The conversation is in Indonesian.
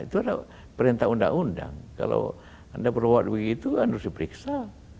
itu adalah perintah undang undang kalau anda berbuat begitu kan harus diperiksa